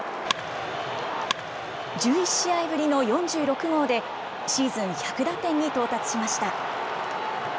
１１試合ぶりの４６号で、シーズン１００打点に到達しました。